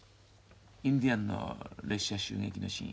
インディアンの列車襲撃のシーン。